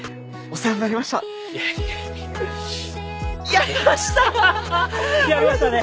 やりましたね。